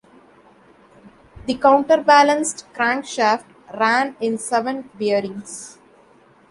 The counterbalanced crankshaft ran in seven bearings.